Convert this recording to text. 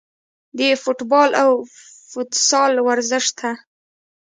د فوټبال او فوتسال ورزش ته